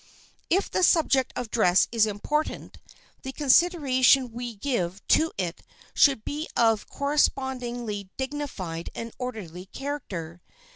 If the subject of dress is important, the consideration we give to it should be of a correspondingly dignified and orderly character.